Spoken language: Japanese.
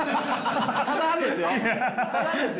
ただですよ。